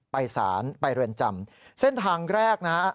ไปสารไปเรือนจำเส้นทางแรกนะฮะ